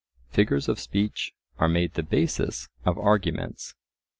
Figures of speech are made the basis of arguments.